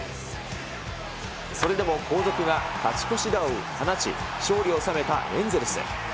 それでも後続が勝ち越し打を放ち、勝利を収めたエンゼルス。